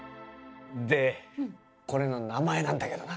でこれの名前なんだけどな。